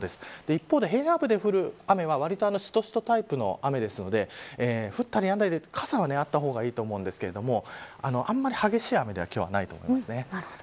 一方で平野部で降る雨はわりとしとしとタイプの雨ですので降ったりやんだりで傘はあった方がいいと思いますがあんまり激しい雨では今日はないと思います。